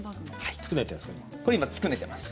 今つくねています。